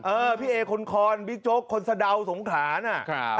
เออพี่เอ๊กคนคอนบิ๊กโจ๊กคนสะเดาสงขานะ